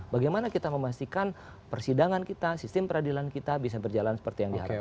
bagaimana kita memastikan persidangan kita sistem peradilan kita bisa berjalan seperti yang diharapkan